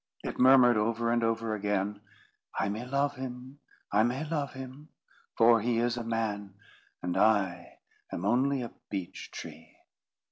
It murmured over and over again: "I may love him, I may love him; for he is a man, and I am only a beech tree."